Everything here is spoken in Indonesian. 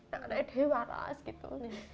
kan ada yang waras gitu